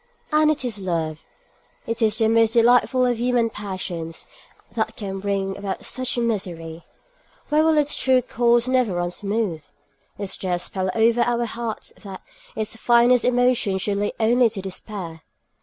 And it is love, it is the most delightful of human passions, that can bring about such misery! Why will its true course never run smooth? Is there a spell over our heart, that its finest emotions should lead only to despair?